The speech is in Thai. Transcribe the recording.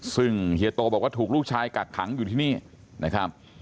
ซึ่งเฮียโตบอกว่าถูกลูกชายกักขังอยู่ที่นี่นะครับ